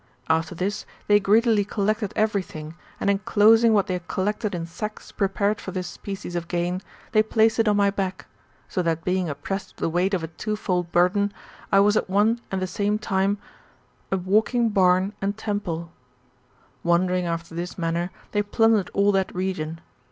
After this, they greedily collected every thing, and enclosing what they had collected in sacks prepared for this species of gain, they placed it on my back ; so that being oppressed with the weight of a twofold burden, I was at one and the same time a walking barn and temple^^. Wander ing after this manner, they plundered all that region.